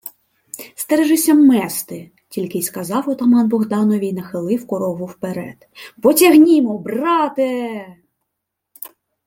— Стережися мести, — тільки й сказав отаман Богданові й нахилив корогву вперед: — Потягнімо, браттє!